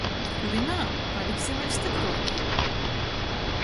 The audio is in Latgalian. Kuri nā - paliksim vēļ stypruoki.